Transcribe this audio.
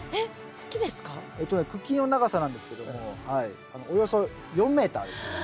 茎の長さなんですけどもおよそ４メーターです。